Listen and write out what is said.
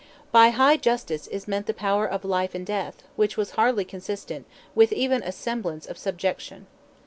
By "high justice" is meant the power of life and death, which was hardly consistent with even a semblance of subjection.